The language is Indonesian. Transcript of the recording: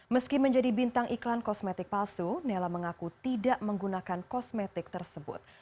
meski menjadi bintang iklan kosmetik palsu nela mengaku tidak menggunakan kosmetik tersebut